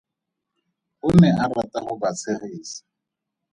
O ne a rata go ba tshegisa.